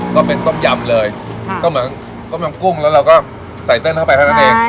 ต้มยำเลยก็เหมือนต้มยำกุ้งแล้วเราก็ใส่เส้นเข้าไปเท่านั้นเอง